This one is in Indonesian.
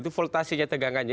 itu voltasinya tegangannya